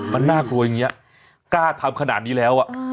มันน่ากลัวอย่างนี้กล้าทำขนาดนี้แล้ว